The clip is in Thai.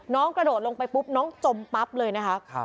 กระโดดลงไปปุ๊บน้องจมปั๊บเลยนะคะ